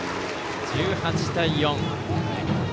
１８対４。